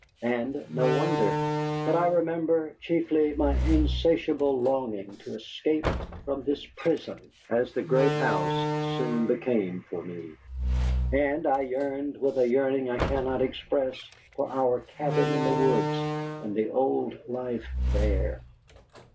And no wonder. But I remember chiefly my insatiable longing to escape from this prison, as the great house soon became for me. And I yearned with a yearning I cannot express for our cabin in the hills and the old life there.